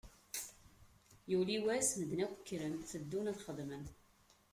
Yuli wass, medden akk kkren, teddun ad xedmen.